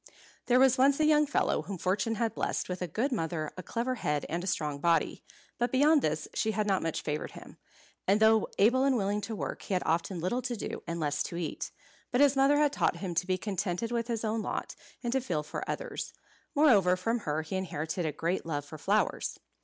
There was once a young fellow whom fortune had blessed with a good mother, a clever head, and a strong body. But beyond this she had not much favoured him; and though able and willing to work, he had often little to do, and less to eat. But his mother had taught him to be contented with his own lot, and to feel for others. Moreover, from her he inherited a great love for flowers.